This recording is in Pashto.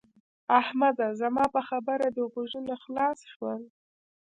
احمده! زما په خبره دې غوږونه خلاص شول؟